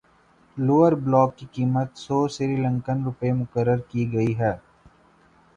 lower block کی قیمت سو سری لنکن روپے مقرر کی گئی ہے